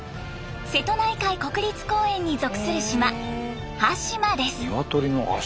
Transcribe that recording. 瀬戸内海国立公園に属する島端島です。